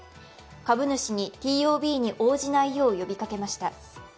株主にＴＯＢに応じないよう呼びかけました。